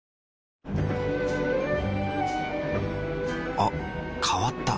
あ変わった。